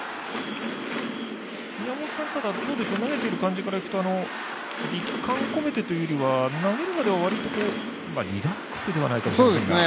宮本さん投げている感じからいくと力感込めてというよりは投げるまでは、わりとリラックスではないかもしれませんが。